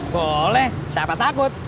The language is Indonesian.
boleh siapa takut